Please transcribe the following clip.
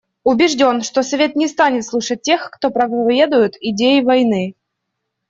Убежден, что Совет не станет слушать тех, кто проповедует идеи войны.